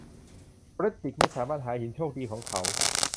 เฟรดดริคไม่สามารถหาหินโชคดีของเขา